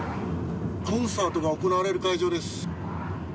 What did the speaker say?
コンサートが行われる会場です。